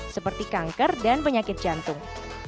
seperti kanker dan penyakit jantung